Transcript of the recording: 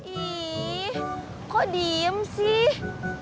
ih kok diem sih